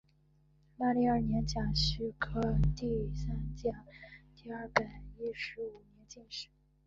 万历二年甲戌科第三甲第二百一十五名进士。